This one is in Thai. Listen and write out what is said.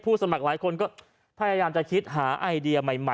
สมัครหลายคนก็พยายามจะคิดหาไอเดียใหม่